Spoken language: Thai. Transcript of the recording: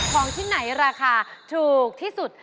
ของที่ไหนราคาถูกที่สุด